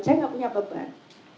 saya tidak punya beban